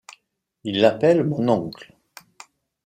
Il l’appelle mon oncle…